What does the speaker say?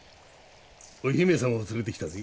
お姫様を連れてきたぜ。